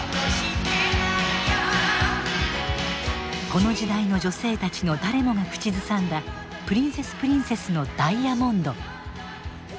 この時代の女性たちの誰もが口ずさんだプリンセスプリンセスの「Ｄｉａｍｏｎｄｓ」。